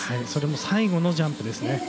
それも最後のジャンプですね。